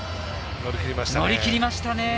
乗り切りましたね。